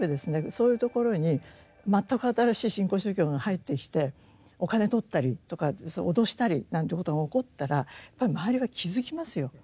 そういうところに全く新しい新興宗教が入ってきてお金取ったりとか脅したりなんていうことが起こったらやっぱり周りは気付きますよ。